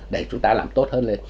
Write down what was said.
để chúng ta làm tốt hơn lên